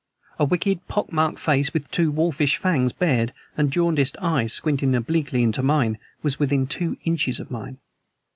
A wicked, pock marked face, with wolfish fangs bared, and jaundiced eyes squinting obliquely into mine, was within two inches of me.